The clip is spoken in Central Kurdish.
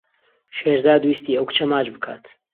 شێرزاد ویستی ئەو کچە ماچ بکات.